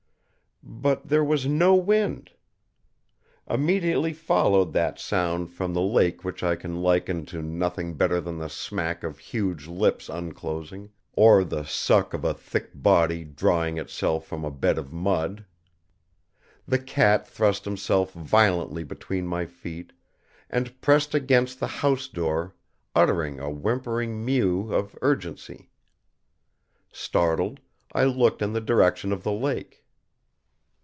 But there was no wind. Immediately followed that sound from the lake which I can liken to nothing better than the smack of huge lips unclosing, or the suck of a thick body drawing itself from a bed of mud. The cat thrust himself violently between my feet and pressed against the house door uttering a whimpering mew of urgency. Startled, I looked in the direction of the lake.